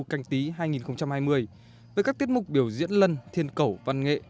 canh tí hai nghìn hai mươi với các tiết mục biểu diễn lân thiên cẩu văn nghệ